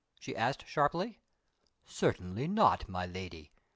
she asked sharply. "Certainly not, my Lady.